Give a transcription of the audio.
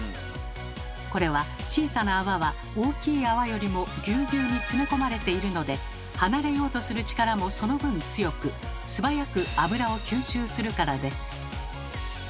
これは小さな泡は大きい泡よりもぎゅうぎゅうにつめ込まれているので離れようとする力もその分強く素早く油を吸収するからです。